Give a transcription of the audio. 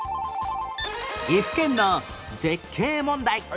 岐阜県の絶景問題